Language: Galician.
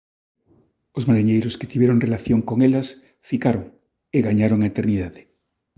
Os mariñeiros que tiveron relación con elas ficaron e gañaron a eternidade.